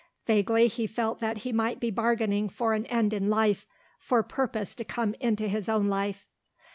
Vaguely he felt that he might be bargaining for an end in life, for purpose to come into his own life.